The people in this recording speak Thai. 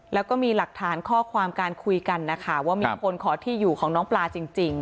แล้วก็มีหลักฐานข้อความการคุยกันนะคะว่ามีคนขอที่อยู่ของน้องปลาจริง